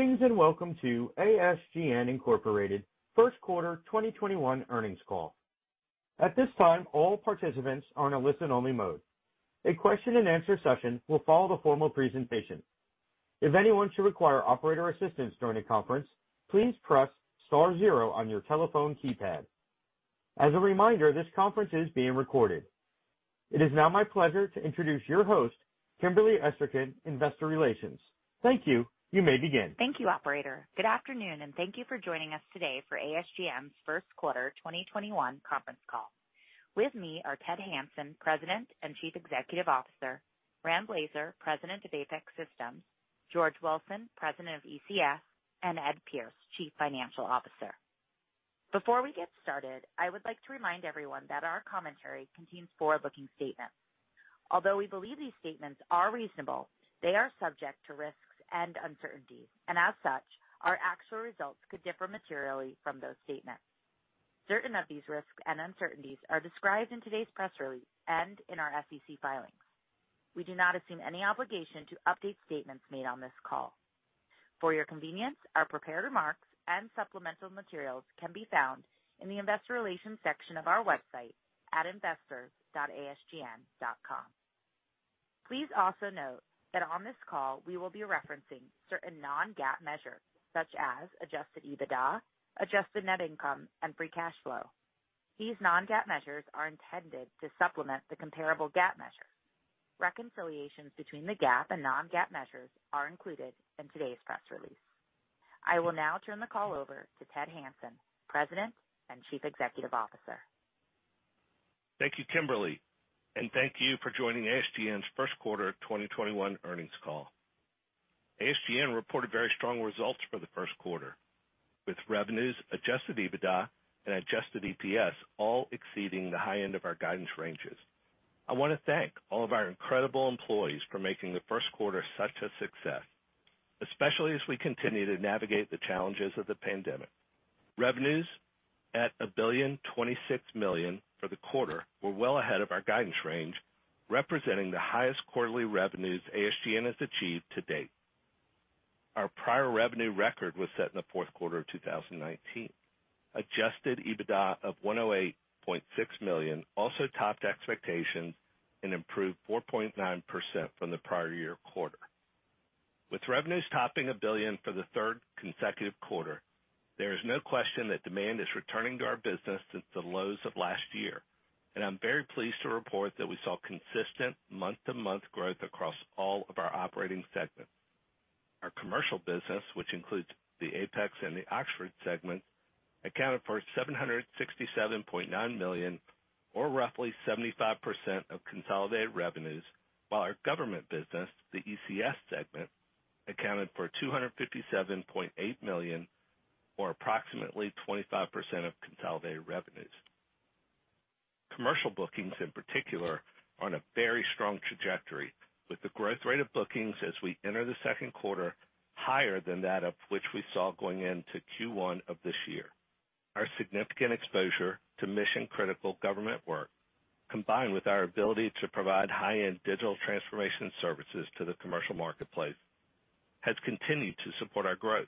Greetings and welcome to ASGN Incorporated's first quarter 2021 earnings call. At this time, all participants are in a listen-only mode. A question-and-answer session will follow the formal presentation. If anyone should require operator assistance during the conference, please press star zero on your telephone keypad. As a reminder, this conference is being recorded. It is now my pleasure to introduce your host, Kimberly Esterkin, Investor Relations. Thank you. You may begin. Thank you, Operator. Good afternoon, and thank you for joining us today for ASGN's first quarter 2021 conference call. With me are Ted Hanson, President and Chief Executive Officer; Rand Blazer, President of Apex Systems; George Wilson, President of ECS; and Ed Pierce, Chief Financial Officer. Before we get started, I would like to remind everyone that our commentary contains forward-looking statements. Although we believe these statements are reasonable, they are subject to risks and uncertainties, and as such, our actual results could differ materially from those statements. Certain of these risks and uncertainties are described in today's press release and in our SEC filings. We do not assume any obligation to update statements made on this call. For your convenience, our prepared remarks and supplemental materials can be found in the Investor Relations section of our website at investors.asgn.com. Please also note that on this call, we will be referencing certain non-GAAP measures such as adjusted EBITDA, adjusted net income, and free cash flow. These non-GAAP measures are intended to supplement the comparable GAAP measures. Reconciliations between the GAAP and non-GAAP measures are included in today's press release. I will now turn the call over to Ted Hanson, President and Chief Executive Officer. Thank you, Kimberly, and thank you for joining ASGN's first quarter 2021 earnings call. ASGN reported very strong results for the first quarter, with revenues, adjusted EBITDA, and adjusted EPS all exceeding the high end of our guidance ranges. I want to thank all of our incredible employees for making the first quarter such a success, especially as we continue to navigate the challenges of the pandemic. Revenues at $1,026,000,000 for the quarter were well ahead of our guidance range, representing the highest quarterly revenues ASGN has achieved to date. Our prior revenue record was set in the fourth quarter of 2019. Adjusted EBITDA of $108.6 million also topped expectations and improved 4.9% from the prior year quarter. With revenues topping $1,000,000,000 for the third consecutive quarter, there is no question that demand is returning to our business since the lows of last year, and I'm very pleased to report that we saw consistent month-to-month growth across all of our operating segments. Our commercial business, which includes the Apex and the Oxford segments, accounted for $767.9 million, or roughly 75% of consolidated revenues, while our government business, the ECS segment, accounted for $257.8 million, or approximately 25% of consolidated revenues. Commercial bookings, in particular, are on a very strong trajectory, with the growth rate of bookings as we enter the second quarter higher than that of which we saw going into Q1 of this year. Our significant exposure to mission-critical government work, combined with our ability to provide high-end digital transformation services to the commercial marketplace, has continued to support our growth.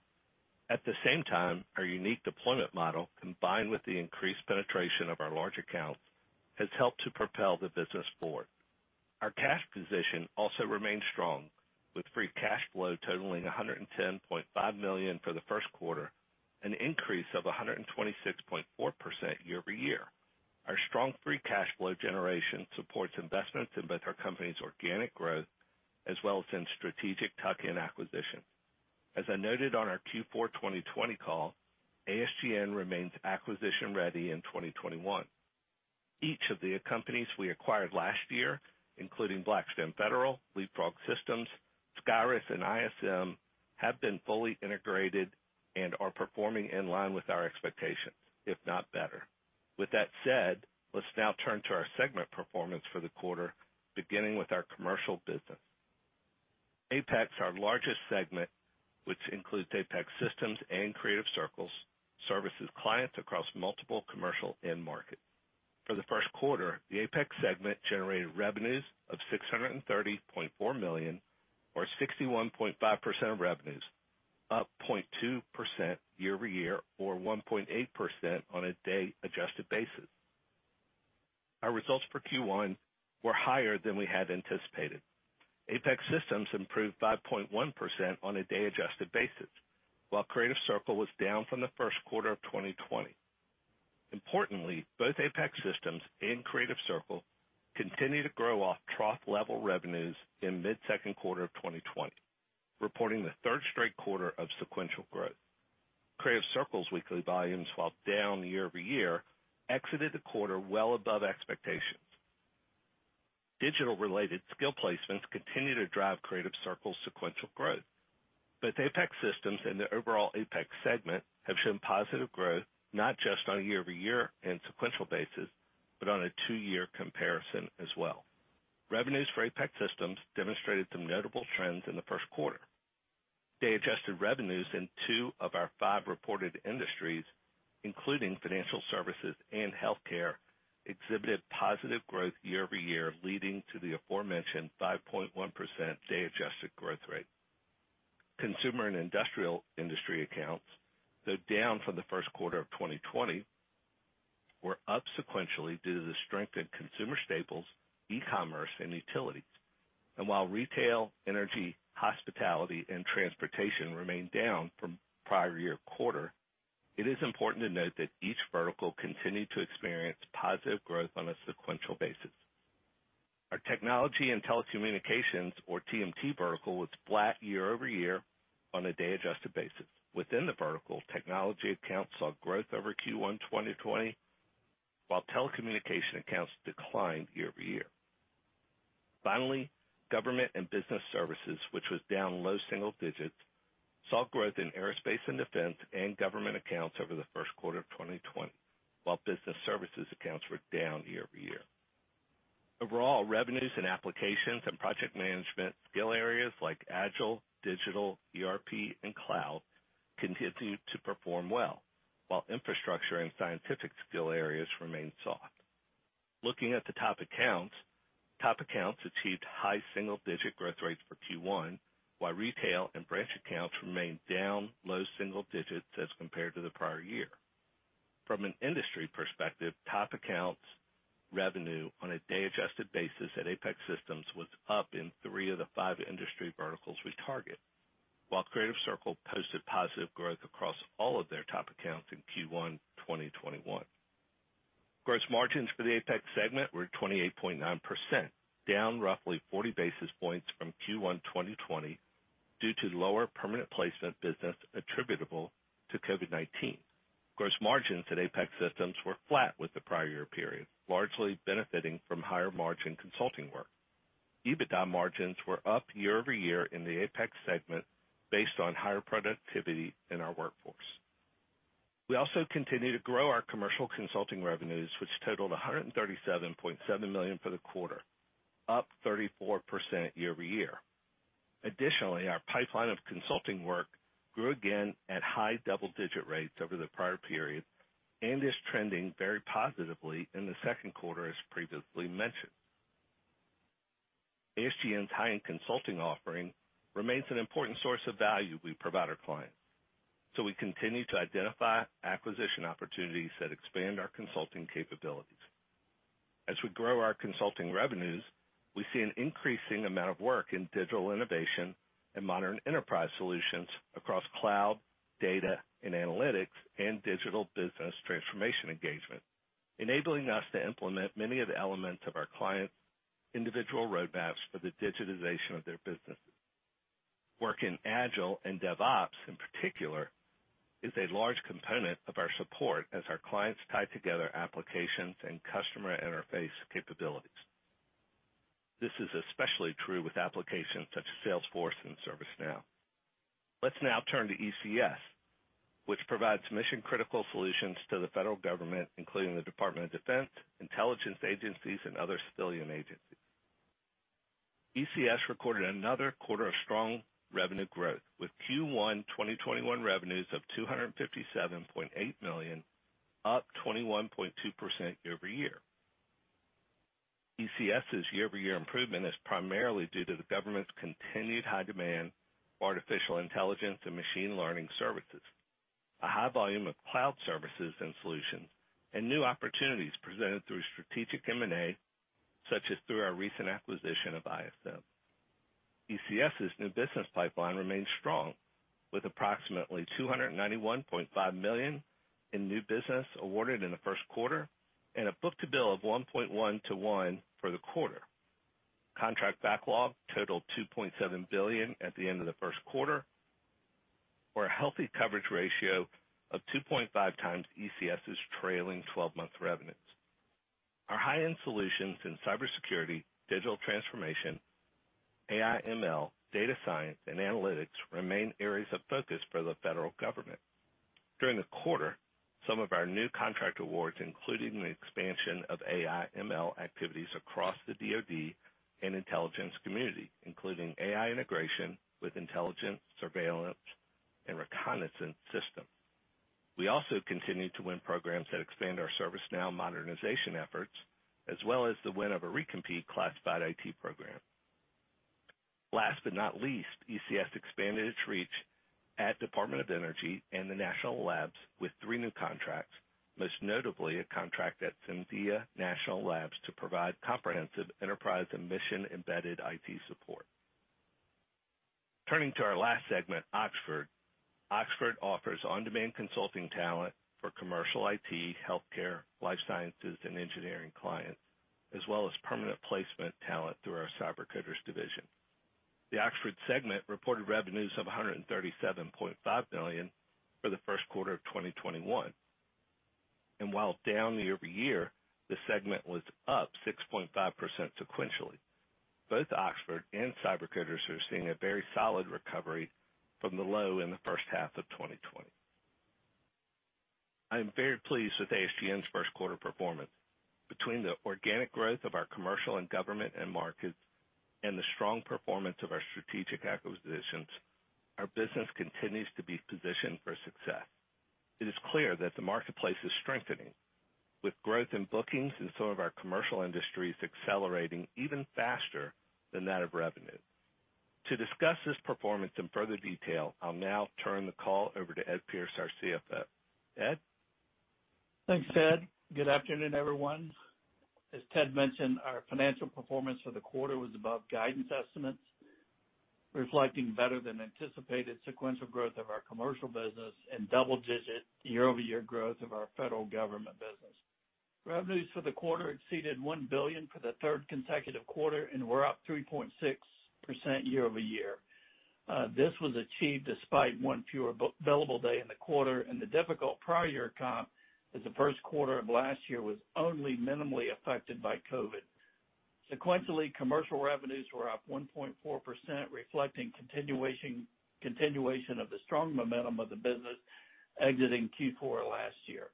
At the same time, our unique deployment model, combined with the increased penetration of our large accounts, has helped to propel the business forward. Our cash position also remains strong, with free cash flow totaling $110.5 million for the first quarter and an increase of 126.4% year-over-year. Our strong free cash flow generation supports investments in both our company's organic growth as well as in strategic tuck-in acquisitions. As I noted on our Q4 2020 call, ASGN remains acquisition-ready in 2021. Each of the companies we acquired last year, including Blackstone Federal, LeapFrog Systems, Skyris, and ISM, have been fully integrated and are performing in line with our expectations, if not better. With that said, let's now turn to our segment performance for the quarter, beginning with our commercial business. Apex, our largest segment, which includes Apex Systems and Creative Circle, services clients across multiple commercial and markets. For the first quarter, the Apex segment generated revenues of $630.4 million, or 61.5% of revenues, up 0.2% year-over-year or 1.8% on a day-adjusted basis. Our results for Q1 were higher than we had anticipated. Apex Systems improved 5.1% on a day-adjusted basis, while Creative Circle was down from the first quarter of 2020. Importantly, both Apex Systems and Creative Circle continue to grow off trough-level revenues in mid-second quarter of 2020, reporting the third straight quarter of sequential growth. Creative Circle's weekly volumes, while down year-over-year, exited the quarter well above expectations. Digital-related skill placements continue to drive Creative Circle's sequential growth, but Apex Systems and the overall Apex segment have shown positive growth not just on a year-over-year and sequential basis, but on a two-year comparison as well. Revenues for Apex Systems demonstrated some notable trends in the first quarter. Day-adjusted revenues in two of our five reported industries, including financial services and healthcare, exhibited positive growth year-over-year, leading to the aforementioned 5.1% day-adjusted growth rate. Consumer and industrial industry accounts, though down from the first quarter of 2020, were up sequentially due to the strength of consumer staples, e-commerce, and utilities. While retail, energy, hospitality, and transportation remained down from prior year quarter, it is important to note that each vertical continued to experience positive growth on a sequential basis. Our technology and telecommunications, or TMT, vertical was flat year-over-year on a day-adjusted basis. Within the vertical, technology accounts saw growth over Q1 2020, while telecommunication accounts declined year-over-year. Finally, government and business services, which was down low single digits, saw growth in aerospace and defense and government accounts over the first quarter of 2020, while business services accounts were down year-over-year. Overall, revenues in applications and project management skill areas like Agile, digital, ERP, and cloud continue to perform well, while infrastructure and scientific skill areas remain soft. Looking at the top accounts, top accounts achieved high single-digit growth rates for Q1, while retail and branch accounts remained down low single digits as compared to the prior year. From an industry perspective, top accounts' revenue on a day-adjusted basis at Apex Systems was up in three of the five industry verticals we target, while Creative Circle posted positive growth across all of their top accounts in Q1 2021. Gross margins for the Apex segment were 28.9%, down roughly 40 basis points from Q1 2020 due to lower permanent placement business attributable to COVID-19. Gross margins at Apex Systems were flat with the prior year period, largely benefiting from higher margin consulting work. EBITDA margins were up year-over-year in the Apex segment based on higher productivity in our workforce. We also continue to grow our commercial consulting revenues, which totaled $137.7 million for the quarter, up 34% year-over-year. Additionally, our pipeline of consulting work grew again at high double-digit rates over the prior period and is trending very positively in the second quarter, as previously mentioned. ASGN's high-end consulting offering remains an important source of value we provide our clients, so we continue to identify acquisition opportunities that expand our consulting capabilities. As we grow our consulting revenues, we see an increasing amount of work in digital innovation and modern enterprise solutions across cloud, data, and analytics, and digital business transformation engagement, enabling us to implement many of the elements of our clients' individual roadmaps for the digitization of their businesses. Work in Agile and DevOps, in particular, is a large component of our support as our clients tie together applications and customer interface capabilities. This is especially true with applications such as Salesforce and ServiceNow. Let's now turn to ECS, which provides mission-critical solutions to the federal government, including the Department of Defense, intelligence agencies, and other civilian agencies. ECS recorded another quarter of strong revenue growth, with Q1 2021 revenues of $257.8 million, up 21.2% year-over-year. ECS's year-over-year improvement is primarily due to the government's continued high demand for artificial intelligence and machine learning services, a high volume of cloud services and solutions, and new opportunities presented through strategic M&A, such as through our recent acquisition of ISM. ECS's new business pipeline remains strong, with approximately $291.5 million in new business awarded in the first quarter and a book-to-bill of 1.1-1 for the quarter. Contract backlog totaled $2.7 billion at the end of the first quarter, or a healthy coverage ratio of 2.5x ECS's trailing 12-month revenues. Our high-end solutions in cybersecurity, digital transformation, AI/ML, data science, and analytics remain areas of focus for the federal government. During the quarter, some of our new contract awards included an expansion of AI/ML activities across the Department of Defense and Intelligence Community, including AI integration with intelligence, surveillance, and reconnaissance systems. We also continue to win programs that expand our ServiceNow modernization efforts, as well as the win of a recompete classified IT program. Last but not least, ECS expanded its reach at Department of Energy and the National Labs with three new contracts, most notably a contract at Sandia National Labs to provide comprehensive enterprise and mission-embedded IT support. Turning to our last segment, Oxford. Oxford offers on-demand consulting talent for commercial IT, healthcare, life sciences, and engineering clients, as well as permanent placement talent through our CyberCoders division. The Oxford segment reported revenues of $137.5 million for the first quarter of 2021, and while down year-over-year, the segment was up 6.5% sequentially. Both Oxford and CyberCoders are seeing a very solid recovery from the low in the first half of 2020. I am very pleased with ASGN's first quarter performance. Between the organic growth of our commercial and government markets and the strong performance of our strategic acquisitions, our business continues to be positioned for success. It is clear that the marketplace is strengthening, with growth in bookings and some of our commercial industries accelerating even faster than that of revenue. To discuss this performance in further detail, I'll now turn the call over to Ed Pierce, our CFO. Ed? Thanks, Ed. Good afternoon, everyone. As Ted mentioned, our financial performance for the quarter was above guidance estimates, reflecting better than anticipated sequential growth of our commercial business and double-digit year-over-year growth of our federal government business. Revenues for the quarter exceeded $1 billion for the third consecutive quarter and were up 3.6% year-over-year. This was achieved despite one fewer billable day in the quarter, and the difficult prior year comp as the first quarter of last year was only minimally affected by COVID. Sequentially, commercial revenues were up 1.4%, reflecting continuation of the strong momentum of the business exiting Q4 last year.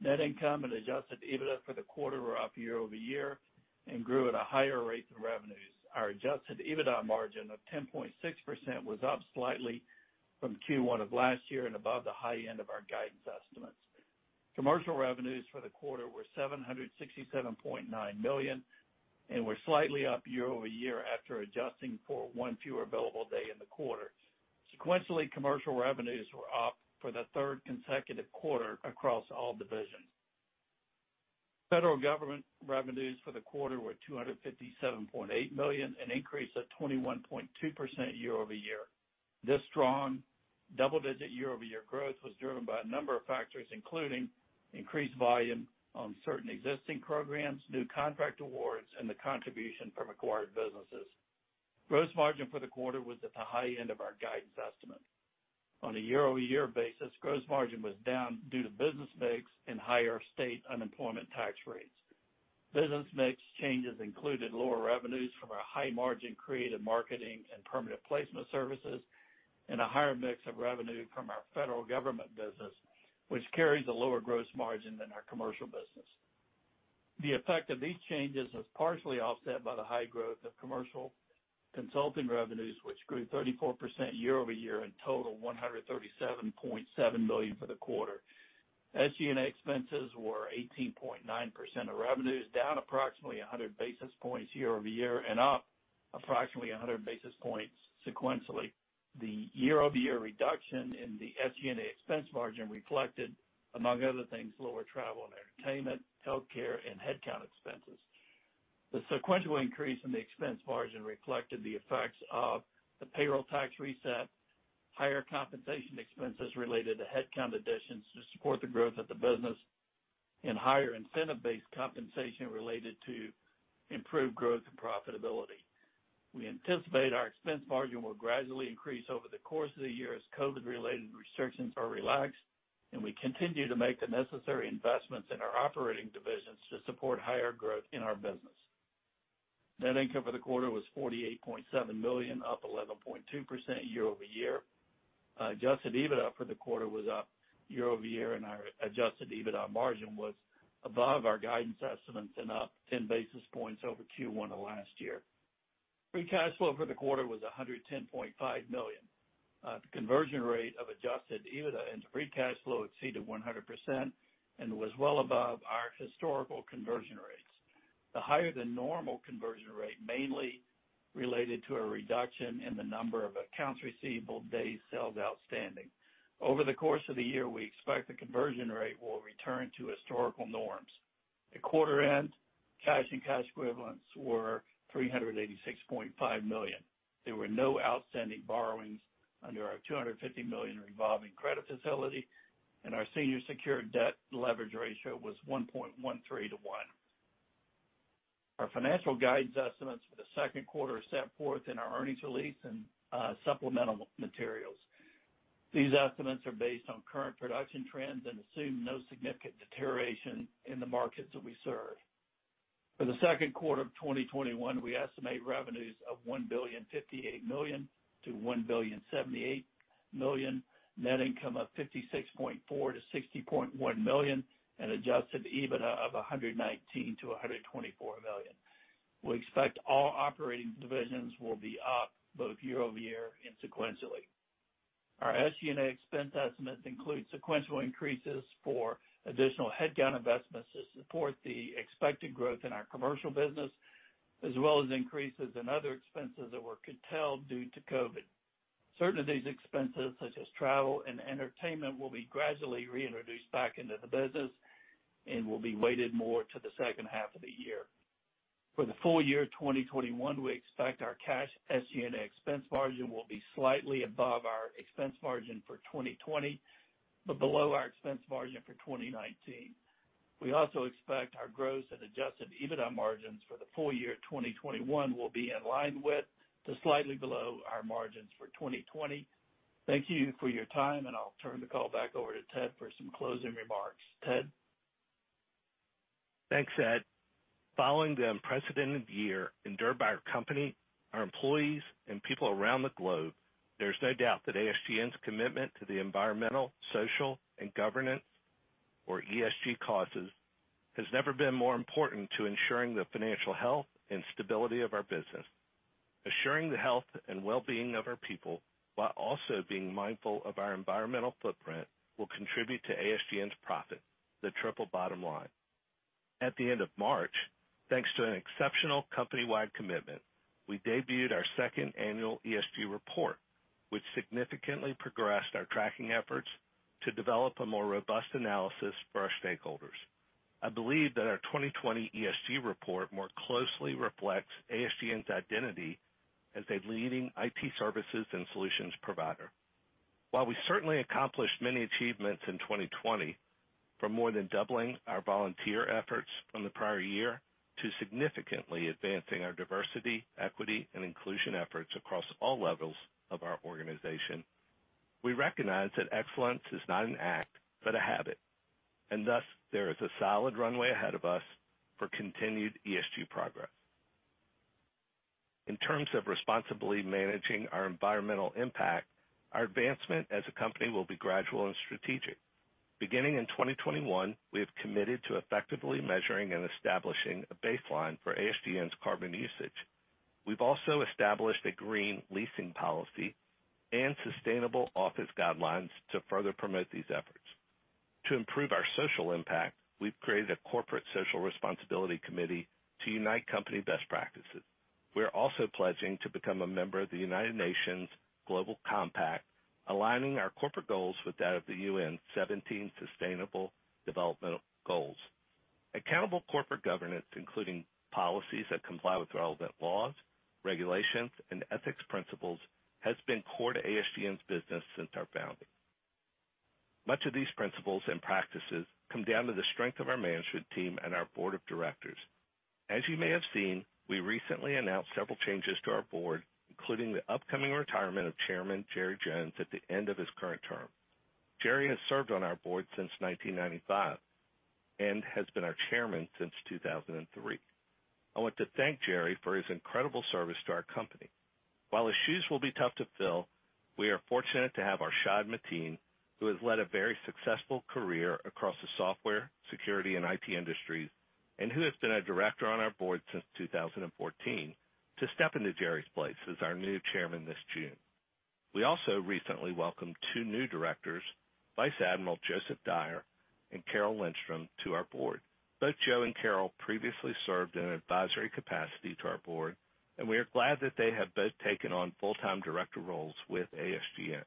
Net income and adjusted EBITDA for the quarter were up year-over-year and grew at a higher rate than revenues. Our adjusted EBITDA margin of 10.6% was up slightly from Q1 of last year and above the high end of our guidance estimates. Commercial revenues for the quarter were $767.9 million and were slightly up year-over-year after adjusting for one fewer billable day in the quarter. Sequentially, commercial revenues were up for the third consecutive quarter across all divisions. Federal government revenues for the quarter were $257.8 million, an increase of 21.2% year-over-year. This strong double-digit year-over-year growth was driven by a number of factors, including increased volume on certain existing programs, new contract awards, and the contribution from acquired businesses. Gross margin for the quarter was at the high end of our guidance estimate. On a year-over-year basis, gross margin was down due to business mix and higher state unemployment tax rates. Business mix changes included lower revenues from our high margin creative marketing and permanent placement services and a higher mix of revenue from our federal government business, which carries a lower gross margin than our commercial business. The effect of these changes is partially offset by the high growth of commercial consulting revenues, which grew 34% year-over-year and totaled $137.7 million for the quarter. SG&A expenses were 18.9% of revenues, down approximately 100 basis points year-over-year and up approximately 100 basis points sequentially. The year-over-year reduction in the SG&A expense margin reflected, among other things, lower travel and entertainment, healthcare, and headcount expenses. The sequential increase in the expense margin reflected the effects of the payroll tax reset, higher compensation expenses related to headcount additions to support the growth of the business, and higher incentive-based compensation related to improved growth and profitability. We anticipate our expense margin will gradually increase over the course of the year as COVID-related restrictions are relaxed, and we continue to make the necessary investments in our operating divisions to support higher growth in our business. Net income for the quarter was $48.7 million, up 11.2% year-over-year. Adjusted EBITDA for the quarter was up year-over-year, and our adjusted EBITDA margin was above our guidance estimates and up 10 basis points over Q1 of last year. Free cash flow for the quarter was $110.5 million. The conversion rate of adjusted EBITDA into free cash flow exceeded 100% and was well above our historical conversion rates. The higher-than-normal conversion rate mainly related to a reduction in the number of accounts receivable, days, sales outstanding. Over the course of the year, we expect the conversion rate will return to historical norms. At quarter-end, cash and cash equivalents were $386.5 million. There were no outstanding borrowings under our $250 million revolving credit facility, and our senior secured debt leverage ratio was 1.13 to 1. Our financial guidance estimates for the second quarter are set forth in our earnings release and supplemental materials. These estimates are based on current production trends and assume no significant deterioration in the markets that we serve. For the second quarter of 2021, we estimate revenues of $1,058,000,000-$1,078,000,000, net income of $56.4 million-$60.1 million, and adjusted EBITDA of $119 million-$124 million. We expect all operating divisions will be up both year-over-year and sequentially. Our SG&A expense estimates include sequential increases for additional headcount investments to support the expected growth in our commercial business, as well as increases in other expenses that were curtailed due to COVID. Certain of these expenses, such as travel and entertainment, will be gradually reintroduced back into the business and will be weighted more to the second half of the year. For the full year 2021, we expect our cash SG&A expense margin will be slightly above our expense margin for 2020, but below our expense margin for 2019. We also expect our gross and adjusted EBITDA margins for the full year 2021 will be in line with to slightly below our margins for 2020. Thank you for your time, and I'll turn the call back over to Ted for some closing remarks. Ted? Thanks, Ed. Following the unprecedented year endured by our company, our employees, and people around the globe, there is no doubt that ASGN's commitment to the environmental, social, and governance, or ESG, causes has never been more important to ensuring the financial health and stability of our business. Assuring the health and well-being of our people while also being mindful of our environmental footprint will contribute to ASGN's profit, the triple bottom line. At the end of March, thanks to an exceptional company-wide commitment, we debuted our second annual ESG report, which significantly progressed our tracking efforts to develop a more robust analysis for our stakeholders. I believe that our 2020 ESG report more closely reflects ASGN's identity as a leading IT services and solutions provider. While we certainly accomplished many achievements in 2020, from more than doubling our volunteer efforts from the prior year to significantly advancing our diversity, equity, and inclusion efforts across all levels of our organization, we recognize that excellence is not an act, but a habit. There is a solid runway ahead of us for continued ESG progress. In terms of responsibly managing our environmental impact, our advancement as a company will be gradual and strategic. Beginning in 2021, we have committed to effectively measuring and establishing a baseline for ASGN's carbon usage. We've also established a green leasing policy and sustainable office guidelines to further promote these efforts. To improve our social impact, we've created a corporate social responsibility committee to unite company best practices. We are also pledging to become a member of the United Nations Global Compact, aligning our corporate goals with that of the UN 17 Sustainable Development Goals. Accountable corporate governance, including policies that comply with relevant laws, regulations, and ethics principles, has been core to ASGN's business since our founding. Much of these principles and practices come down to the strength of our management team and our board of directors. As you may have seen, we recently announced several changes to our board, including the upcoming retirement of Chairman Jerry Jones at the end of his current term. Jerry has served on our board since 1995 and has been our chairman since 2003. I want to thank Jerry for his incredible service to our company. While his shoes will be tough to fill, we are fortunate to have Arshad Matin, who has led a very successful career across the software, security, and IT industries, and who has been a director on our board since 2014, to step into Jerry's place as our new Chairman this June. We also recently welcomed two new directors, Vice Admiral Joseph Dyer and Carol Lindstrom, to our board. Both Joe and Carol previously served in an advisory capacity to our board, and we are glad that they have both taken on full-time director roles with ASGN.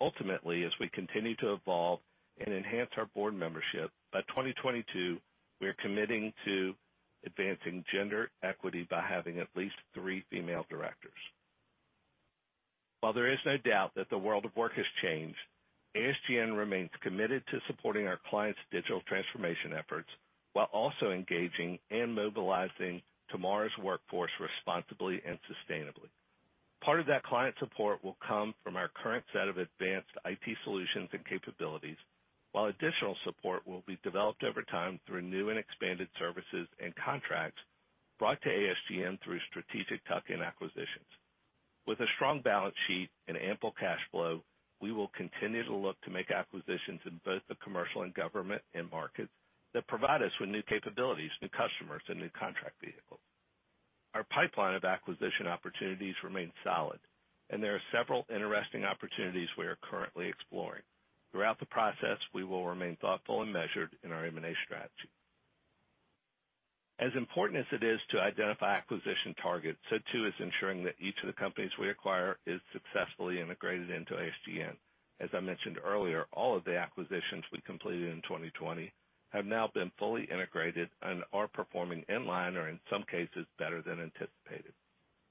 Ultimately, as we continue to evolve and enhance our board membership, by 2022, we are committing to advancing gender equity by having at least three female directors. While there is no doubt that the world of work has changed, ASGN remains committed to supporting our clients' digital transformation efforts while also engaging and mobilizing tomorrow's workforce responsibly and sustainably. Part of that client support will come from our current set of advanced IT solutions and capabilities, while additional support will be developed over time through new and expanded services and contracts brought to ASGN through strategic tuck-in acquisitions. With a strong balance sheet and ample cash flow, we will continue to look to make acquisitions in both the commercial and government markets that provide us with new capabilities, new customers, and new contract vehicles. Our pipeline of acquisition opportunities remains solid, and there are several interesting opportunities we are currently exploring. Throughout the process, we will remain thoughtful and measured in our M&A strategy. As important as it is to identify acquisition targets, so too is ensuring that each of the companies we acquire is successfully integrated into ASGN. As I mentioned earlier, all of the acquisitions we completed in 2020 have now been fully integrated and are performing in line or, in some cases, better than anticipated.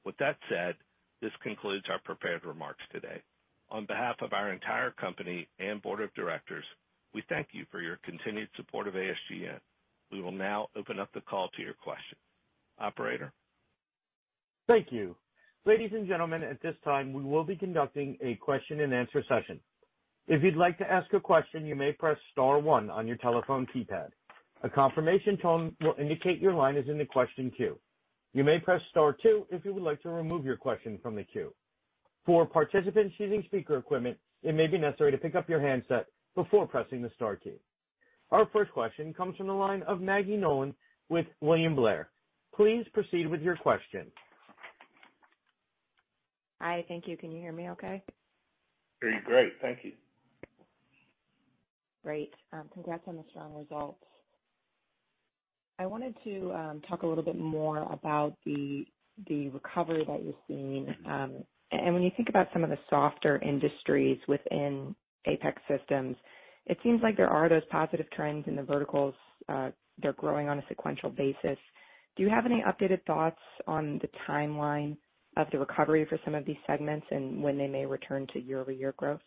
With that said, this concludes our prepared remarks today. On behalf of our entire company and board of directors, we thank you for your continued support of ASGN. We will now open up the call to your questions. Operator? Thank you. Ladies and gentlemen, at this time, we will be conducting a question-and-answer session. If you'd like to ask a question, you may press Star 1 on your telephone keypad. A confirmation tone will indicate your line is in the question queue. You may press Star 2 if you would like to remove your question from the queue. For participants using speaker equipment, it may be necessary to pick up your handset before pressing the Star key. Our first question comes from the line of Maggie Nolan with William Blair. Please proceed with your question. Hi. Thank you. Can you hear me okay? Hear you great. Thank you. Great. Congrats on the strong results. I wanted to talk a little bit more about the recovery that you're seeing. When you think about some of the softer industries within Apex Systems, it seems like there are those positive trends in the verticals. They're growing on a sequential basis. Do you have any updated thoughts on the timeline of the recovery for some of these segments and when they may return to year-over-year growth?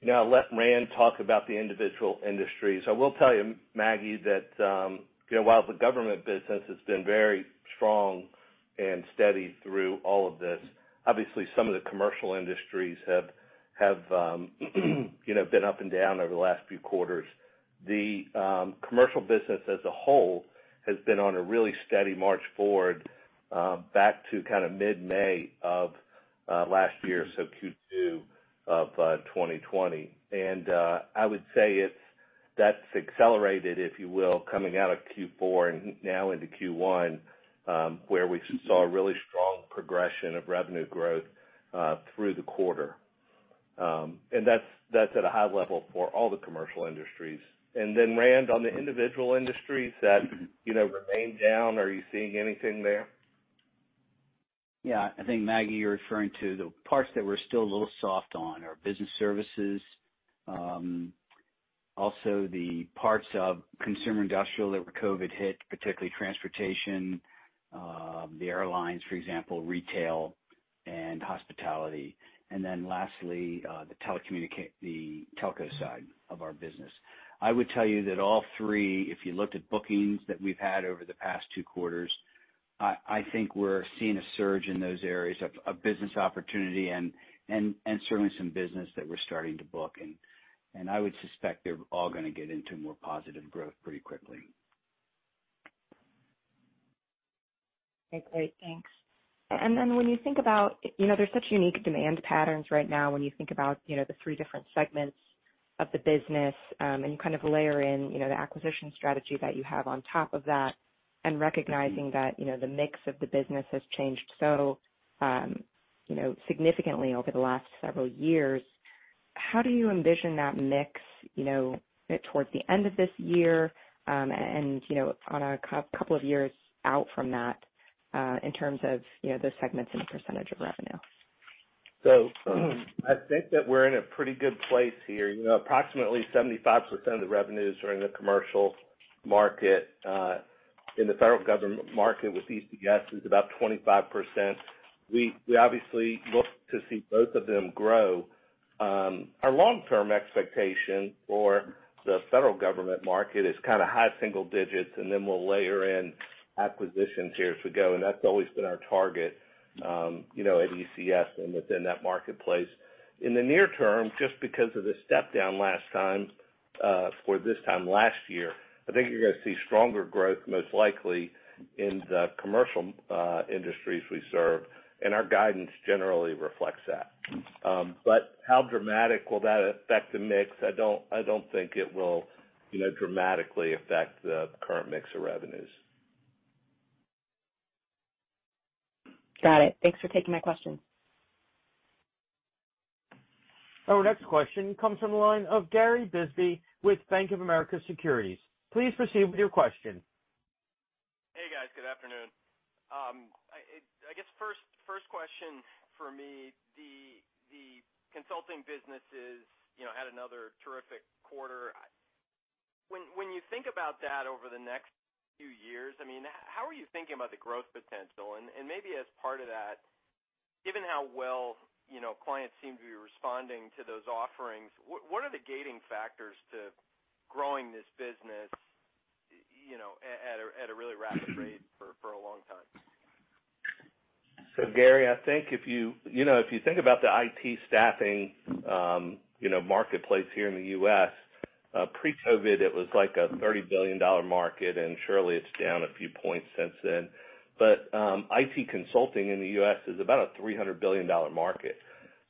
Now, let Rand talk about the individual industries. I will tell you, Maggie, that while the government business has been very strong and steady through all of this, obviously, some of the commercial industries have been up and down over the last few quarters. The commercial business, as a whole, has been on a really steady march forward back to kind of mid-May of last year, so Q2 of 2020. I would say that's accelerated, if you will, coming out of Q4 and now into Q1, where we saw a really strong progression of revenue growth through the quarter. That's at a high level for all the commercial industries. Then, Rand, on the individual industries that remain down, are you seeing anything there? Yeah. I think, Maggie, you're referring to the parts that we're still a little soft on, our business services. Also, the parts of consumer industrial that were COVID-hit, particularly transportation, the airlines, for example, retail, and hospitality. Lastly, the telco side of our business. I would tell you that all three, if you looked at bookings that we've had over the past two quarters, I think we're seeing a surge in those areas of business opportunity and certainly some business that we're starting to book. I would suspect they're all going to get into more positive growth pretty quickly. Okay. Great. Thanks. When you think about there's such unique demand patterns right now when you think about the three different segments of the business, and you kind of layer in the acquisition strategy that you have on top of that and recognizing that the mix of the business has changed so significantly over the last several years, how do you envision that mix towards the end of this year and on a couple of years out from that in terms of those segments and the percentage of revenue? I think that we're in a pretty good place here. Approximately 75% of the revenues are in the commercial market. In the federal government market with ECS, it's about 25%. We obviously look to see both of them grow. Our long-term expectation for the federal government market is kind of high single digits, and then we'll layer in acquisitions here as we go. That has always been our target at ECS and within that marketplace. In the near term, just because of the step down last time or this time last year, I think you're going to see stronger growth, most likely, in the commercial industries we serve. Our guidance generally reflects that. How dramatic will that affect the mix? I don't think it will dramatically affect the current mix of revenues. Got it. Thanks for taking my questions. Our next question comes from the line of Gary Bisbee with Bank of America Securities. Please proceed with your question. Hey, guys. Good afternoon. I guess first question for me, the consulting businesses had another terrific quarter. When you think about that over the next few years, I mean, how are you thinking about the growth potential? And maybe as part of that, given how well clients seem to be responding to those offerings, what are the gating factors to growing this business at a really rapid rate for a long time? Gary, I think if you think about the IT staffing marketplace here in the U.S., pre-COVID, it was like a $30 billion market, and surely it's down a few points since then. But IT consulting in the U.S. is about a $300 billion market.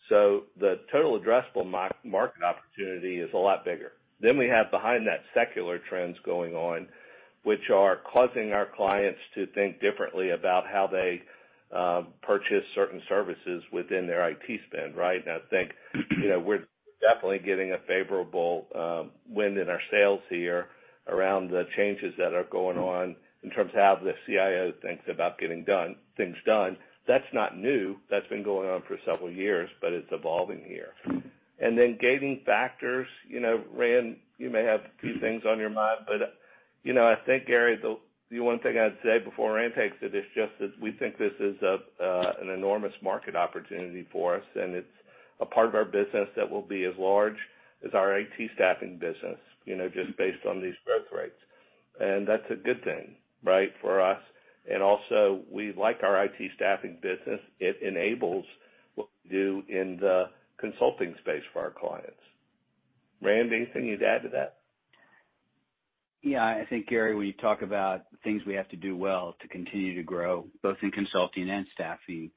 So the total addressable market opportunity is a lot bigger. Then we have behind that secular trends going on, which are causing our clients to think differently about how they purchase certain services within their IT spend, right? I think we're definitely getting a favorable wind in our sails here around the changes that are going on in terms of how the CIO thinks about getting things done. That's not new. That's been going on for several years, but it's evolving here. Gating factors, Rand, you may have a few things on your mind, but I think, Gary, the one thing I'd say before Rand takes it is just that we think this is an enormous market opportunity for us, and it's a part of our business that will be as large as our IT staffing business just based on these growth rates. That's a good thing, right, for us. Also, we like our IT staffing business. It enables what we do in the consulting space for our clients. Rand, anything you'd add to that? Yeah. I think, Gary, when you talk about things we have to do well to continue to grow, both in consulting and staffing,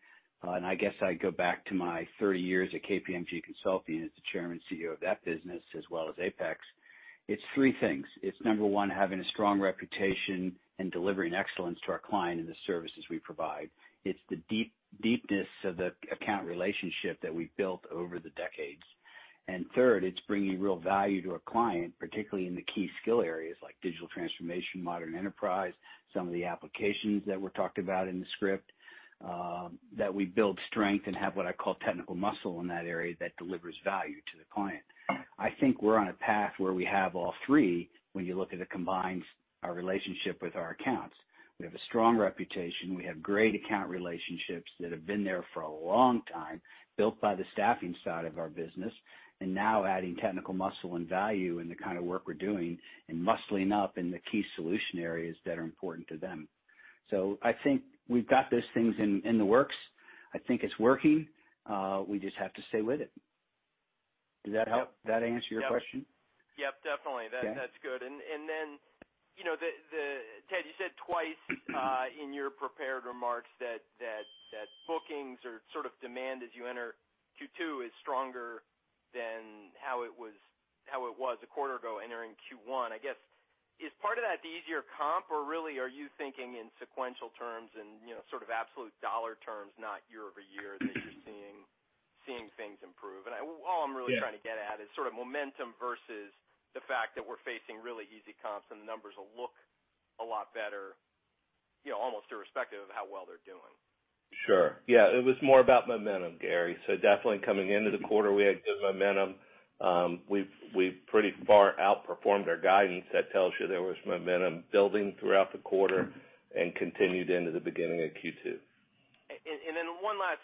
and I guess I'd go back to my 30 years at KPMG Consulting as the Chairman and CEO of that business as well as Apex, it's three things. It's number one, having a strong reputation and delivering excellence to our client in the services we provide. It's the deepness of the account relationship that we've built over the decades. Third, it's bringing real value to our client, particularly in the key skill areas like digital transformation, modern enterprise, some of the applications that were talked about in the script, that we build strength and have what I call technical muscle in that area that delivers value to the client. I think we're on a path where we have all three when you look at the combined relationship with our accounts. We have a strong reputation. We have great account relationships that have been there for a long time, built by the staffing side of our business, and now adding technical muscle and value in the kind of work we're doing and muscling up in the key solution areas that are important to them. I think we've got those things in the works. I think it's working. We just have to stay with it. Does that help? Does that answer your question? Yep. Yep. Definitely. That's good. Ted, you said twice in your prepared remarks that bookings or sort of demand as you enter Q2 is stronger than how it was a quarter ago entering Q1. I guess, is part of that the easier comp, or really are you thinking in sequential terms and sort of absolute dollar terms, not year-over-year, that you're seeing things improve? All I'm really trying to get at is sort of momentum versus the fact that we're facing really easy comps and the numbers will look a lot better almost irrespective of how well they're doing. Sure. Yeah. It was more about momentum, Gary. Definitely coming into the quarter, we had good momentum. We pretty far outperformed our guidance. That tells you there was momentum building throughout the quarter and continued into the beginning of Q2. One last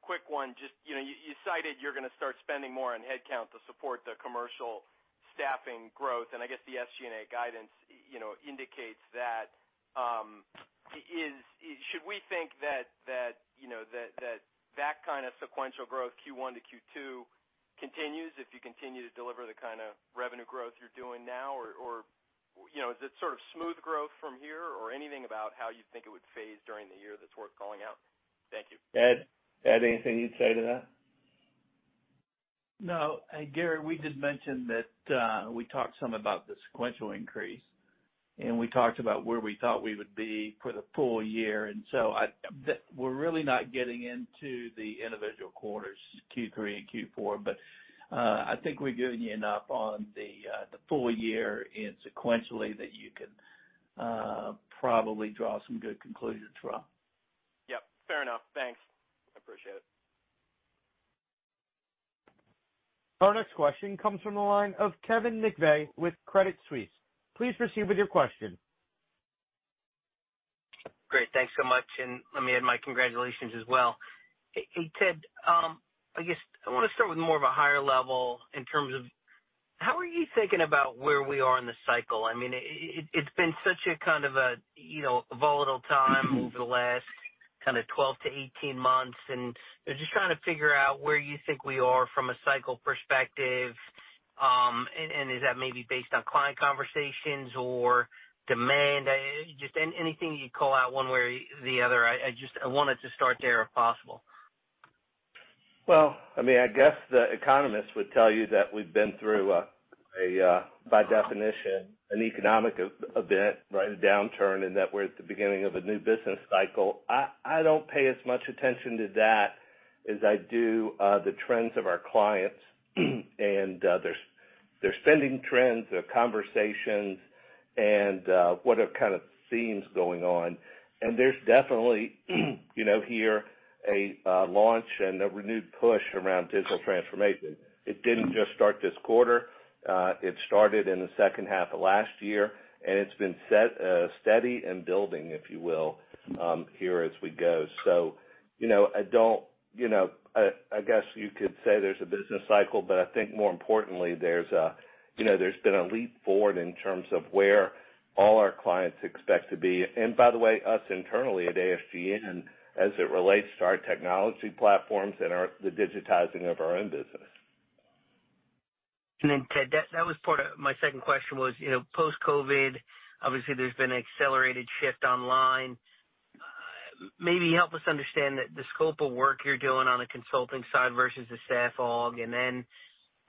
quick one. You cited you're going to start spending more on headcount to support the commercial staffing growth. I guess the SG&A guidance indicates that. Should we think that that kind of sequential growth Q1 to Q2 continues if you continue to deliver the kind of revenue growth you're doing now? Or is it sort of smooth growth from here? Or anything about how you think it would phase during the year that's worth calling out? Thank you. Ted, anything you'd say to that? No. Gary, we did mention that we talked some about the sequential increase, and we talked about where we thought we would be for the full year. And so we're really not getting into the individual quarters, Q3 and Q4, but I think we're good enough on the full year and sequentially that you can probably draw some good conclusions from. Yep. Fair enough. Thanks. I appreciate it. Our next question comes from the line of Kevin McVeigh with Credit Suisse. Please proceed with your question. Great. Thanks so much. Let me add my congratulations as well. Hey, Ted, I guess I want to start with more of a higher level in terms of how are you thinking about where we are in the cycle? I mean, it's been such a kind of a volatile time over the last kind of 12 to 18 months, and just trying to figure out where you think we are from a cycle perspective. Is that maybe based on client conversations or demand? Just anything you'd call out one way or the other. I wanted to start there if possible. I mean, I guess the economist would tell you that we've been through, by definition, an economic event, right? A downturn, and that we're at the beginning of a new business cycle. I do not pay as much attention to that as I do the trends of our clients and their spending trends, their conversations, and what are kind of themes going on. There is definitely here a launch and a renewed push around digital transformation. It did not just start this quarter. It started in the second half of last year, and it has been steady and building, if you will, here as we go. I guess you could say there is a business cycle, but I think more importantly, there has been a leap forward in terms of where all our clients expect to be. By the way, us internally at ASGN, as it relates to our technology platforms and the digitizing of our own business. Ted, that was part of my second question, post-COVID. Obviously, there has been an accelerated shift online. Maybe help us understand the scope of work you're doing on the consulting side versus the staff aug. And then,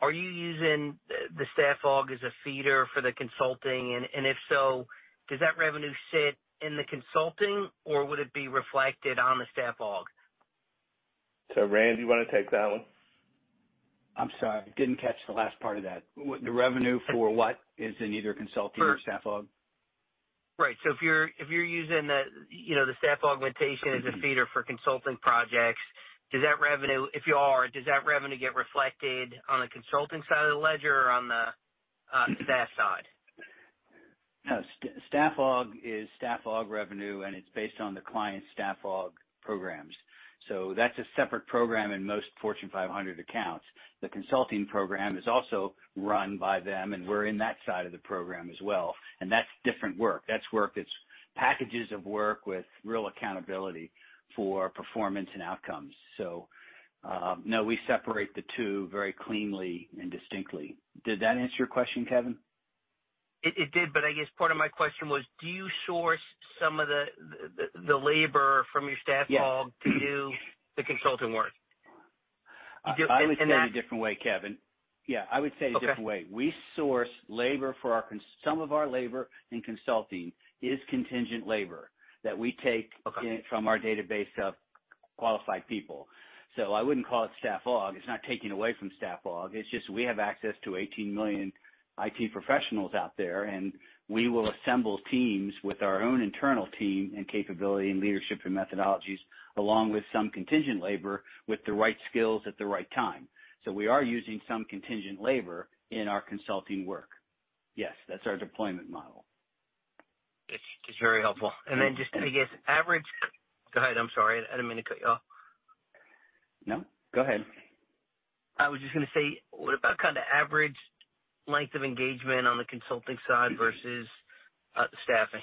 are you using the staff aug as a feeder for the consulting? And if so, does that revenue sit in the consulting, or would it be reflected on the staff aug? So, Rand, you want to take that one? I'm sorry. Didn't catch the last part of that. The revenue for what is in either consulting or staff aug? Right. If you're using the staff augmentation as a feeder for consulting projects, if you are, does that revenue get reflected on the consulting side of the ledger or on the staff side? No. Staff aug is staff aug revenue, and it's based on the client's staff aug programs. That's a separate program in most Fortune 500 accounts. The consulting program is also run by them, and we're in that side of the program as well. That's different work. That's work that's packages of work with real accountability for performance and outcomes. No, we separate the two very cleanly and distinctly. Did that answer your question, Kevin? It did, but I guess part of my question was, do you source some of the labor from your staff aug to do the consulting work? I would say in a different way, Kevin. Yeah. I would say a different way. We source labor for our some of our labor in consulting is contingent labor that we take from our database of qualified people. I wouldn't call it staff aug. It's not taking away from staff aug. It's just we have access to 18 million IT professionals out there, and we will assemble teams with our own internal team and capability and leadership and methodologies along with some contingent labor with the right skills at the right time. We are using some contingent labor in our consulting work. Yes. That's our deployment model. It's very helpful. I guess, average go ahead. I'm sorry. I didn't mean to cut you off. Go ahead. I was just going to say, what about kind of average length of engagement on the consulting side versus staffing?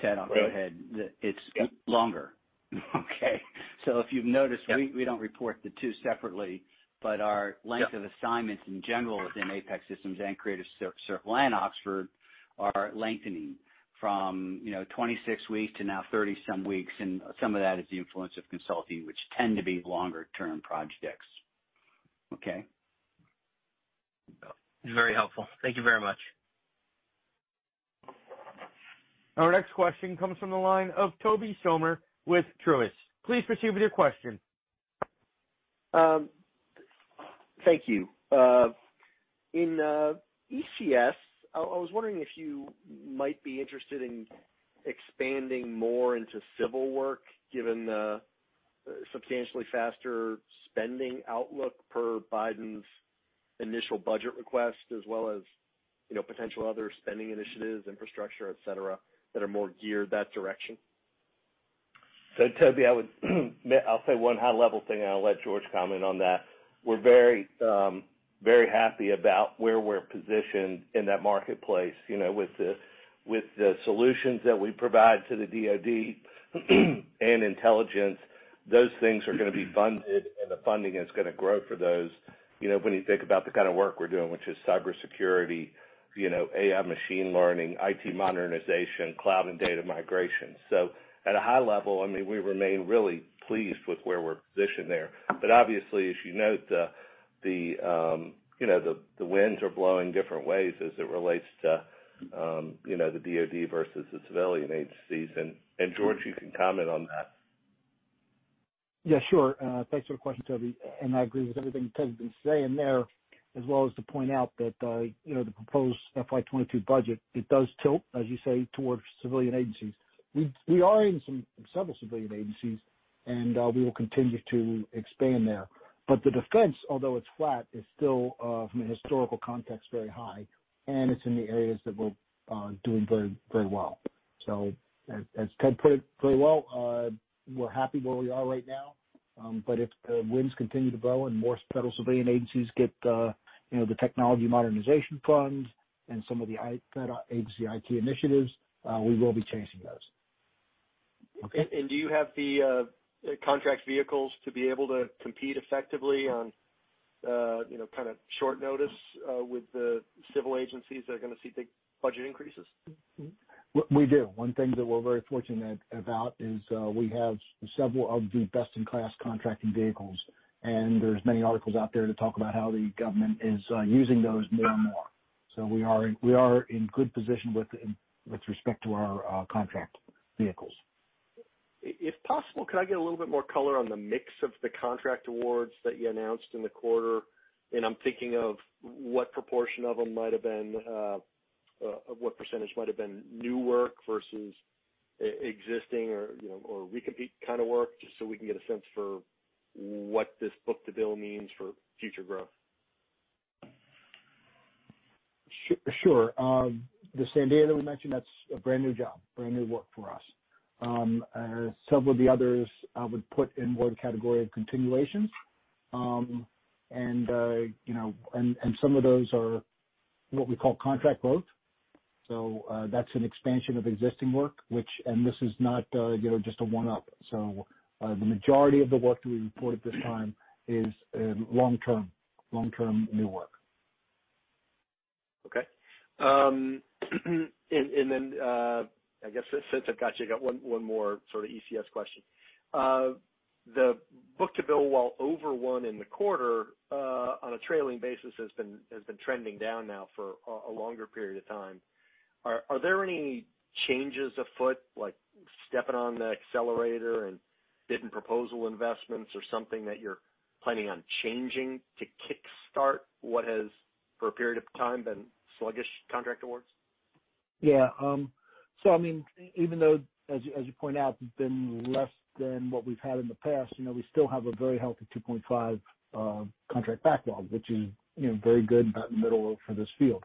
Ted, I'll go ahead. It's longer. If you've noticed, we don't report the two separately, but our length of assignments in general within Apex Systems and Creative Circle and Oxford are lengthening from 26 weeks to now 30-some weeks. Some of that is the influence of consulting, which tend to be longer-term projects. Okay? Very helpful. Thank you very much. Our next question comes from the line of Tobey Sommer with Truist. Please proceed with your question. Thank you. In ECS, I was wondering if you might be interested in expanding more into civil work given the substantially faster spending outlook per Biden's initial budget request as well as potential other spending initiatives, infrastructure, etc., that are more geared that direction? Tobey, I'll say one high-level thing, and I'll let George comment on that. We're very happy about where we're positioned in that marketplace. With the solutions that we provide to the Department of Defense and intelligence, those things are going to be funded, and the funding is going to grow for those when you think about the kind of work we're doing, which is cybersecurity, AI machine learning, IT modernization, cloud, and data migration. At a high level, I mean, we remain really pleased with where we're positioned there. Obviously, as you note, the winds are blowing different ways as it relates to the Department of Defense versus the civilian agencies. George, you can comment on that. Yeah. Sure. Thanks for the question, Tobey. I agree with everything Ted has been saying there as well as to point out that the proposed FY2022 budget, it does tilt, as you say, towards civilian agencies. We are in several civilian agencies, and we will continue to expand there. The defense, although it is flat, is still, from a historical context, very high, and it is in the areas that we are doing very well. As Ted put it very well, we are happy where we are right now. If the winds continue to blow and more federal civilian agencies get the technology modernization funds and some of the agency IT initiatives, we will be chasing those. Okay. Do you have the contract vehicles to be able to compete effectively on kind of short notice with the civil agencies that are going to see big budget increases? We do. One thing that we are very fortunate about is we have several of the best-in-class contracting vehicles, and there are many articles out there that talk about how the government is using those more and more. We are in good position with respect to our contract vehicles. If possible, could I get a little bit more color on the mix of the contract awards that you announced in the quarter? I'm thinking of what proportion of them might have been, what percentage might have been new work versus existing or recompete kind of work, just so we can get a sense for what this book-to-bill means for future growth. Sure. The Sandia that we mentioned, that's a brand new job, brand new work for us. Several of the others I would put in one category of continuations. Some of those are what we call contract growth, so that's an expansion of existing work, which, and this is not just a one-up. The majority of the work that we report at this time is long-term new work. Okay. I guess since I've got you, I got one more sort of ECS question. The book-to-bill, while over one in the quarter on a trailing basis, has been trending down now for a longer period of time. Are there any changes afoot, like stepping on the accelerator and bidding proposal investments or something that you're planning on changing to kickstart what has, for a period of time, been sluggish contract awards? Yeah. I mean, even though, as you point out, it's been less than what we've had in the past, we still have a very healthy 2.5 contract backlog, which is very good, about the middle of for this field.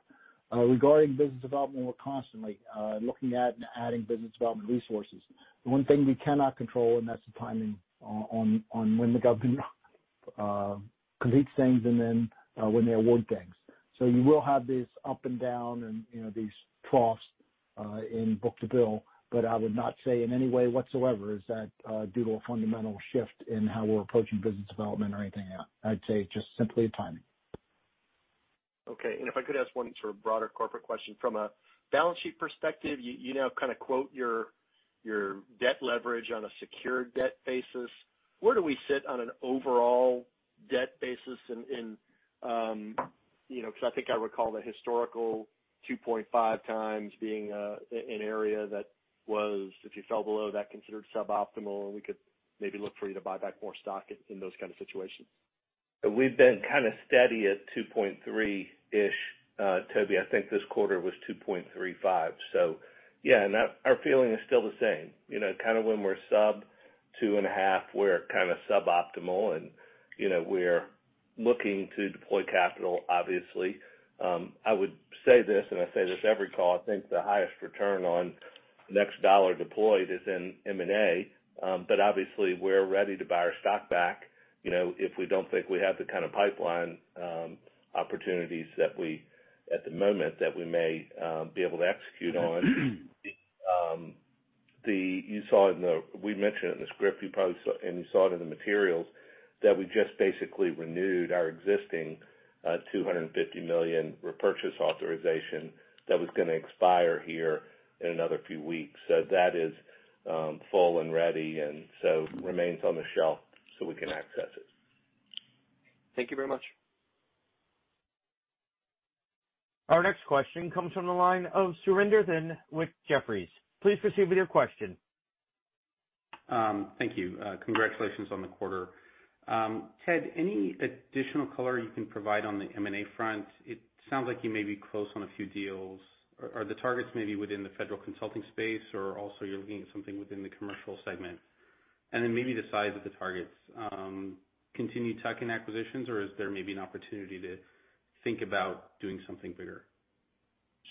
Regarding business development, we're constantly looking at and adding business development resources. The one thing we cannot control, and that's the timing on when the government completes things and then when they award things. You will have these up and down and these troughs in book-to-bill, but I would not say in any way whatsoever is that due to a fundamental shift in how we're approaching business development or anything. I'd say just simply a timing. Okay. If I could ask one sort of broader corporate question. From a balance sheet perspective, you now kind of quote your debt leverage on a secured debt basis. Where do we sit on an overall debt basis, because I think I recall the historical 2.5x being an area that was, if you fell below that, considered suboptimal, and we could maybe look for you to buy back more stock in those kind of situations? We've been kind of steady at 2.3-ish, Tobey. I think this quarter was 2.35. Yeah, and our feeling is still the same. Kind of when we're sub 2.5, we're kind of suboptimal, and we're looking to deploy capital, obviously. I would say this, and I say this every call, I think the highest return on next dollar deployed is in M&A, but obviously, we're ready to buy our stock back if we don't think we have the kind of pipeline opportunities that we at the moment that we may be able to execute on. You saw in the we mentioned it in the script, and you saw it in the materials, that we just basically renewed our existing $250 million repurchase authorization that was going to expire here in another few weeks. That is full and ready and so remains on the shelf so we can access it. Thank you very much. Our next question comes from the line of Surinder Thind with Jefferies. Please proceed with your question. Thank you. Congratulations on the quarter. Ted, any additional color you can provide on the M&A front? It sounds like you may be close on a few deals. Are the targets maybe within the federal consulting space, or also you're looking at something within the commercial segment? And then maybe the size of the targets. Continue tucking acquisitions, or is there maybe an opportunity to think about doing something bigger?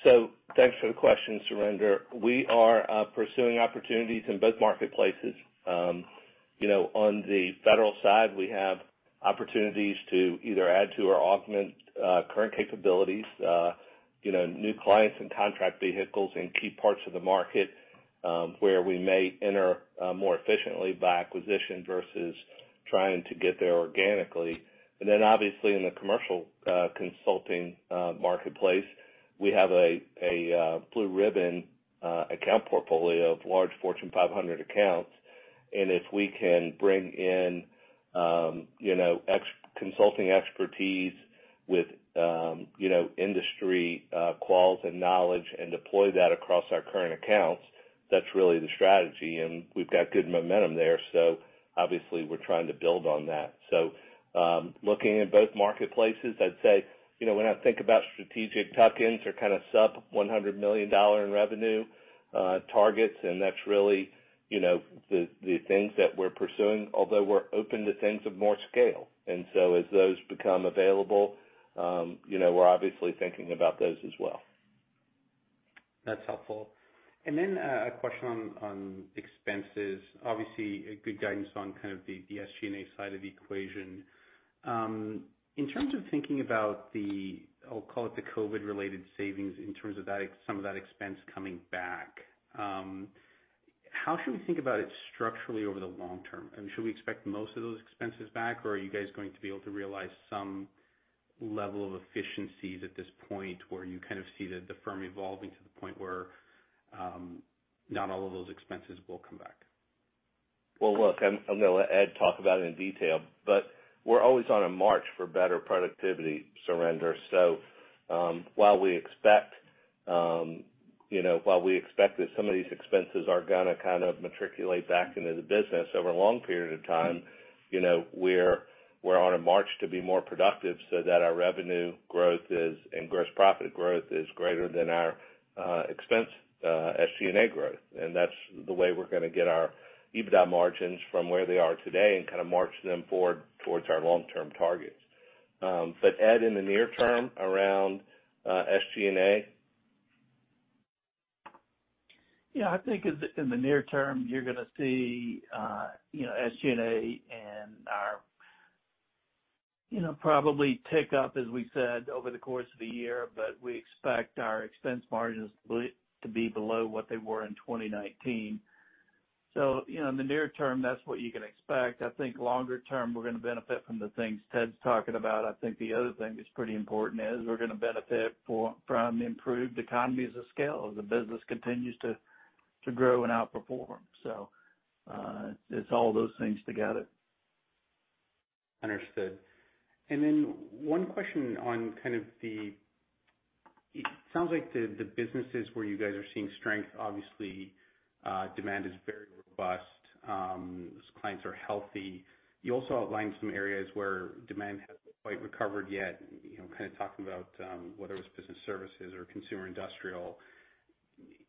Thanks for the question, Surinder. We are pursuing opportunities in both marketplaces. On the federal side, we have opportunities to either add to or augment current capabilities, new clients and contract vehicles in key parts of the market where we may enter more efficiently by acquisition versus trying to get there organically. Obviously, in the commercial consulting marketplace, we have a blue ribbon account portfolio of large Fortune 500 accounts. If we can bring in consulting expertise with industry quals and knowledge and deploy that across our current accounts, that's really the strategy. We've got good momentum there. Obviously, we're trying to build on that. Looking at both marketplaces, I'd say when I think about strategic tuck-ins or kind of sub-$100 million in revenue targets, that's really the things that we're pursuing, although we're open to things of more scale. As those become available, we're obviously thinking about those as well. That's helpful. A question on expenses. Obviously, good guidance on kind of the SG&A side of the equation. In terms of thinking about the, I'll call it the COVID-related savings in terms of some of that expense coming back, how should we think about it structurally over the long term? Should we expect most of those expenses back, or are you guys going to be able to realize some level of efficiencies at this point where you kind of see the firm evolving to the point where not all of those expenses will come back? Look, I'll talk about it in detail, but we're always on a march for better productivity, Surinder. While we expect that some of these expenses are going to kind of matriculate back into the business over a long period of time, we're on a march to be more productive so that our revenue growth and gross profit growth is greater than our expense SG&A growth. That's the way we're going to get our EBITDA margins from where they are today and kind of march them forward towards our long-term targets. Ed, in the near term around SG&A? Yeah. I think in the near term, you're going to see SG&A and our probably tick up, as we said, over the course of the year, but we expect our expense margins to be below what they were in 2019. In the near term, that's what you can expect. I think longer term, we're going to benefit from the things Ted's talking about. I think the other thing that's pretty important is we're going to benefit from improved economies of scale as the business continues to grow and outperform. It's all those things together. Understood. One question on kind of the it sounds like the businesses where you guys are seeing strength, obviously, demand is very robust. Those clients are healthy. You also outlined some areas where demand hasn't quite recovered yet, kind of talking about whether it's business services or consumer industrial.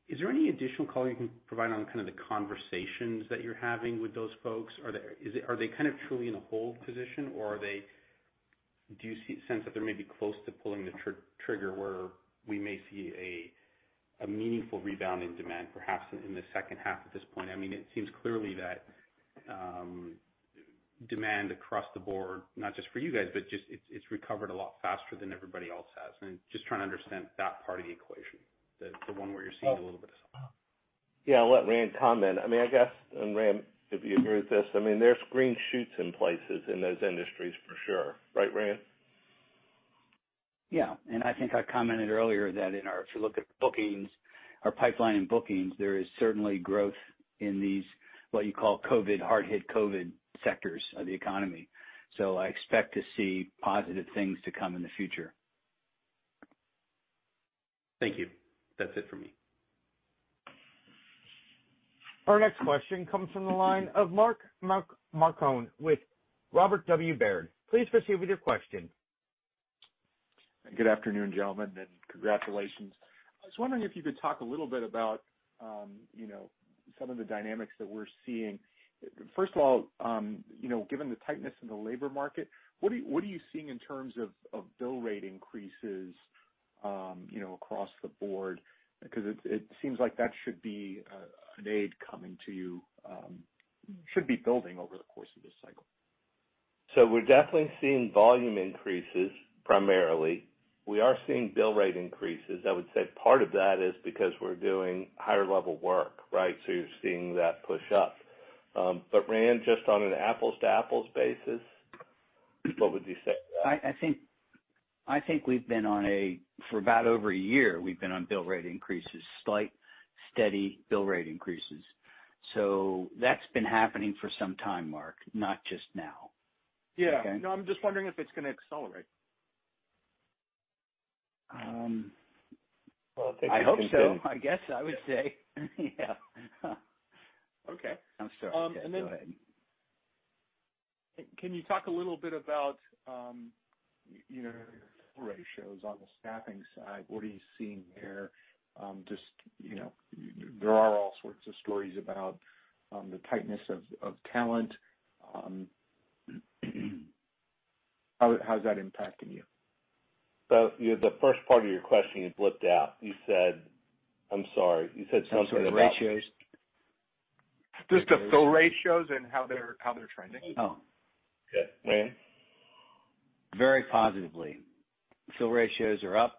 Is there any additional color you can provide on kind of the conversations that you're having with those folks? Are they kind of truly in a hold position, or do you sense that they're maybe close to pulling the trigger where we may see a meaningful rebound in demand, perhaps in the second half at this point? I mean, it seems clearly that demand across the board, not just for you guys, but just it's recovered a lot faster than everybody else has. Just trying to understand that part of the equation, the one where you're seeing a little bit of something. Yeah. I'll let Rand comment. I mean, I guess, and Rand, if you agree with this, I mean, there's green shoots in places in those industries for sure, right, Rand? Yeah. I think I commented earlier that if you look at bookings, our pipeline in bookings, there is certainly growth in these what you call hard-hit COVID sectors of the economy. I expect to see positive things to come in the future. Thank you. That's it for me. Our next question comes from the line of Mark Marcon with Robert W. Baird. Please proceed with your question. Good afternoon, gentlemen, and congratulations. I was wondering if you could talk a little bit about some of the dynamics that we're seeing. First of all, given the tightness in the labor market, what are you seeing in terms of bill rate increases across the board? Because it seems like that should be an aid coming to you, should be building over the course of this cycle. We're definitely seeing volume increases primarily. We are seeing bill rate increases. I would say part of that is because we're doing higher-level work, right? So you're seeing that push up. But Rand, just on an apples-to-apples basis, what would you say? I think we've been on a for about over a year, we've been on bill rate increases, slight, steady bill rate increases. So that's been happening for some time, Mark, not just now. Yeah. No, I'm just wondering if it's going to accelerate. I think it's going to. I hope so, I guess I would say. Yeah. Okay. I'm sorry. Go ahead. Can you talk a little bit about your ratios on the staffing side? What are you seeing there? There are all sorts of stories about the tightness of talent. How's that impacting you? The first part of your question is blipped out. You said I'm sorry. You said something about just the ratios. Just the fill ratios and how they're trending? Oh. Okay. Rand? Very positively. Fill ratios are up.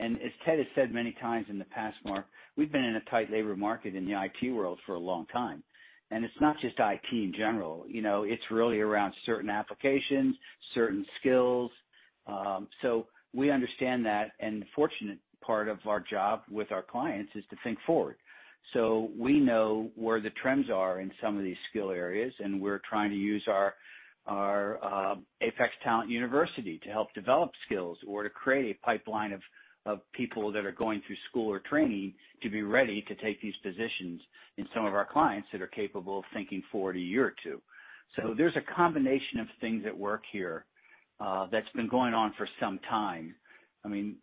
As Ted has said many times in the past, Mark, we've been in a tight labor market in the IT world for a long time. It's not just IT in general. It's really around certain applications, certain skills. We understand that. The fortunate part of our job with our clients is to think forward. We know where the trends are in some of these skill areas, and we're trying to use our Apex Talent University to help develop skills or to create a pipeline of people that are going through school or training to be ready to take these positions in some of our clients that are capable of thinking forward a year or two. There is a combination of things at work here that has been going on for some time. I mean,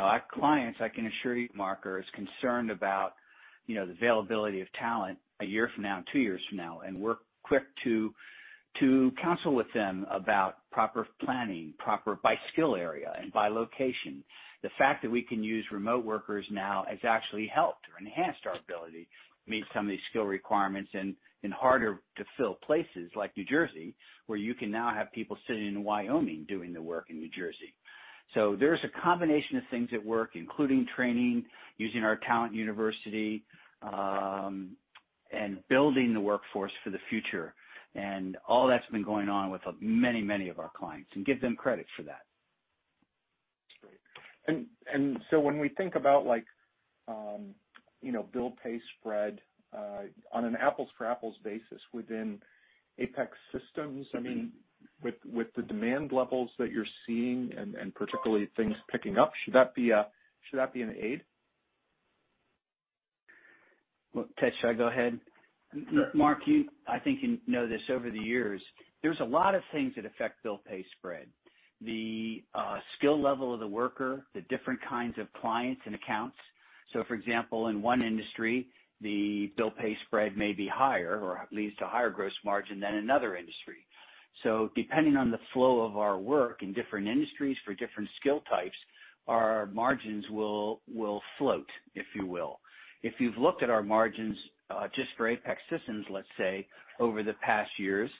our clients, I can assure you, Mark, are as concerned about the availability of talent a year from now and two years from now, and we are quick to counsel with them about proper planning, proper by skill area and by location. The fact that we can use remote workers now has actually helped or enhanced our ability to meet some of these skill requirements in harder-to-fill places like New Jersey, where you can now have people sitting in Wyoming doing the work in New Jersey. There is a combination of things at work, including training, using our talent university, and building the workforce for the future. All that has been going on with many, many of our clients. Give them credit for that. That is great. When we think about bill pay spread on an apples-to-apples basis within Apex Systems, I mean, with the demand levels that you're seeing and particularly things picking up, should that be an aid? Ted, should I go ahead? Mark, I think you know this over the years. There's a lot of things that affect bill pay spread: the skill level of the worker, the different kinds of clients and accounts. For example, in one industry, the bill pay spread may be higher or leads to a higher gross margin than another industry. Depending on the flow of our work in different industries for different skill types, our margins will float, if you will. If you've looked at our margins just for Apex Systems, let's say, over the past years,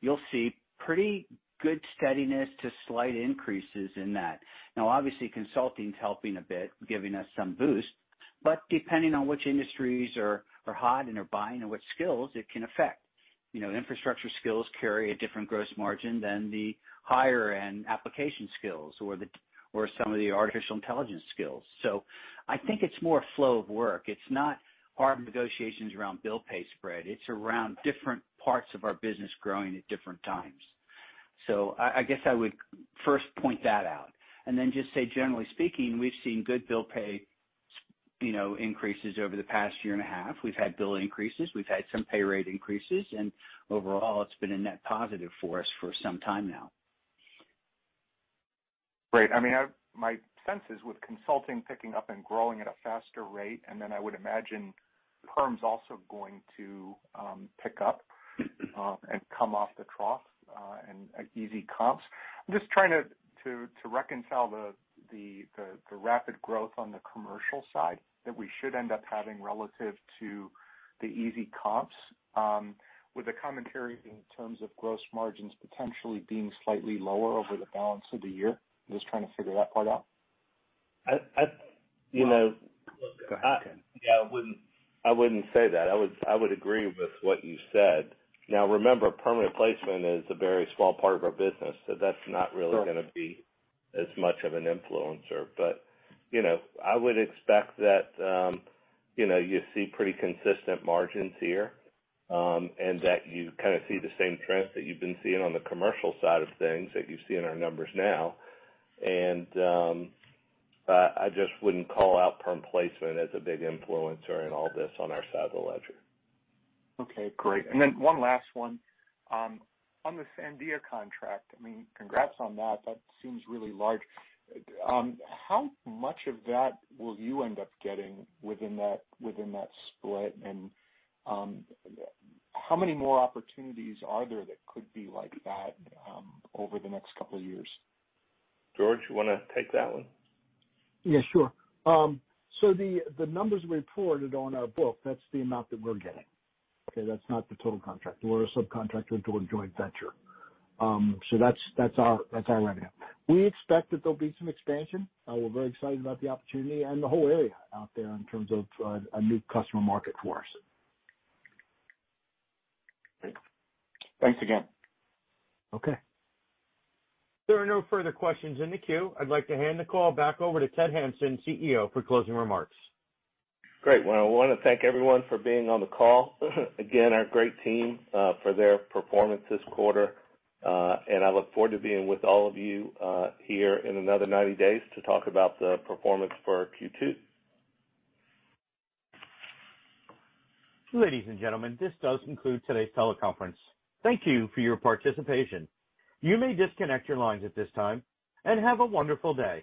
you'll see pretty good steadiness to slight increases in that. Now, obviously, consulting is helping a bit, giving us some boost. Depending on which industries are hot and are buying and what skills, it can affect. Infrastructure skills carry a different gross margin than the higher-end application skills or some of the artificial intelligence skills. I think it is more a flow of work. It is not hard negotiations around bill pay spread. It is around different parts of our business growing at different times. I would first point that out. I would just say, generally speaking, we have seen good bill pay increases over the past year and a half. We have had bill increases. We have had some pay rate increases. Overall, it has been a net positive for us for some time now. Great. I mean, my sense is with consulting picking up and growing at a faster rate, and then I would imagine perms also going to pick up and come off the trough and easy comps. I'm just trying to reconcile the rapid growth on the commercial side that we should end up having relative to the easy comps with the commentary in terms of gross margins potentially being slightly lower over the balance of the year. I'm just trying to figure that part out. Go ahead. Yeah. I wouldn't say that. I would agree with what you said. Now, remember, permanent placement is a very small part of our business, so that's not really going to be as much of an influencer. I would expect that you see pretty consistent margins here and that you kind of see the same trends that you've been seeing on the commercial side of things that you see in our numbers now. I just wouldn't call out perm placement as a big influencer in all this on our side of the ledger. Okay. Great. One last one. On the Sandia contract, I mean, congrats on that. That seems really large. How much of that will you end up getting within that split? How many more opportunities are there that could be like that over the next couple of years? George, you want to take that one? Yeah, sure. The numbers reported on our book, that's the amount that we're getting. That's not the total contract. We're a subcontractor to a joint venture. That's our revenue. We expect that there'll be some expansion. We're very excited about the opportunity and the whole area out there in terms of a new customer market for us. Thanks again. Okay. There are no further questions in the queue. I'd like to hand the call back over to Ted Hanson, CEO, for closing remarks. Great. I want to thank everyone for being on the call. Again, our great team for their performance this quarter. I look forward to being with all of you here in another 90 days to talk about the performance for Q2. Ladies and gentlemen, this does conclude today's teleconference. Thank you for your participation. You may disconnect your lines at this time and have a wonderful day.